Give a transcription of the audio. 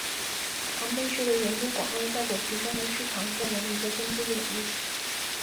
常被视为研究广告效果提升的市场调研的一个分支领域。